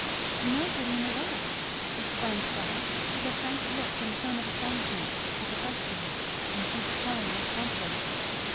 "Nobody in the world!" exclaimed Fleda with a frank look and tone of astonishment at the question, and cheeks colouring as promptly.